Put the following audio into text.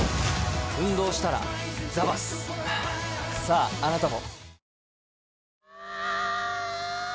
ああなたも。